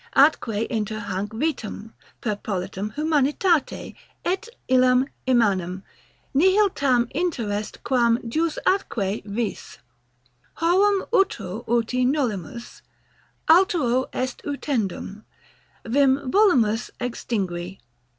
Atque inter hanc vitam, perpolitam humanitate, & llam immanem, nihil tam interest quam JUS atque VIS. Horum utro uti nolimus, altero est utendum. Vim volumus extingui.